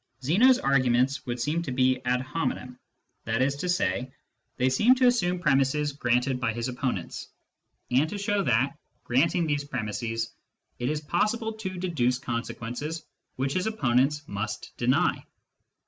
Zeno's arguments would seem to be " ad hominem "; that is to say, they seem to assume premisses granted by his opponents, and to show that, granting these premisses, it is possible to deduce consequences which his opponents must deny.